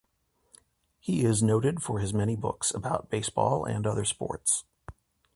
He is noted for his many books about baseball and other sports.